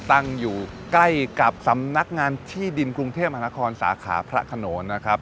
ตั้งอยู่ใกล้กับสำนักงานที่ดินกรุงเทพมหานครสาขาพระขนนนะครับ